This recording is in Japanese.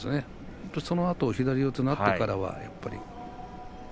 そのあと左四つになってからはやっぱり。